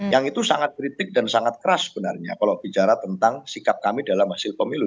yang itu sangat kritik dan sangat keras sebenarnya kalau bicara tentang sikap kami dalam hasil pemilu